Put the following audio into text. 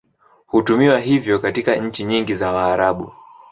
Hutumiwa hivyo katika nchi nyingi za Waarabu.